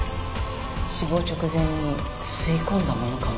死亡直前に吸い込んだものかも。